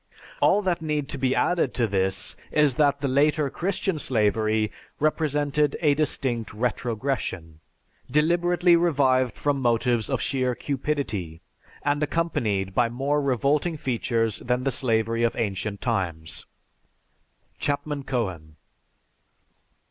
"All that need be added to this is that the later Christian slavery represented a distinct retrogression, deliberately revived from motives of sheer cupidity, and accompanied by more revolting features than the slavery of ancient times." (_Chapman Cohen.